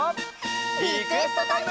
リクエストタイム！